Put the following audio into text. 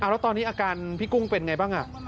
แล้วตอนนี้อาการพี่กุ้งเป็นไงบ้าง